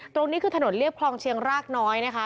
ตรงนี้คือถนนเรียบคลองเชียงรากน้อยนะคะ